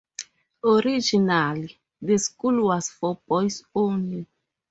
Originally, the school was for boys only.